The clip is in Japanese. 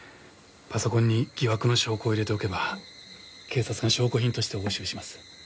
パソコンに疑惑の証拠を入れておけば警察が証拠品として押収します。